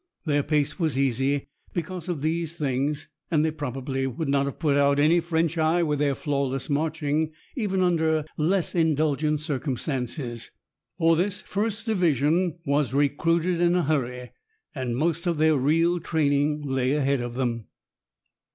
Their pace was easy, because of these things, and they probably would not have put out any French eye with their flawless marching, even under less indulgent circumstances. For this First Division was recruited in a hurry, and most of their real training lay ahead of them.